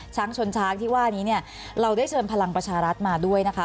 ชนช้างที่ว่านี้เนี่ยเราได้เชิญพลังประชารัฐมาด้วยนะคะ